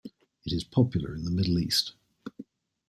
It is popular in the Middle East.